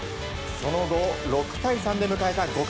その後、６対３で迎えた５回。